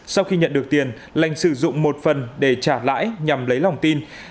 sau khi nhận được tiền lành sử dụng một phần để trả lãi nhằm lấy lòng tin